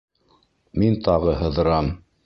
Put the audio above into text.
-Мин тағы һыҙырам.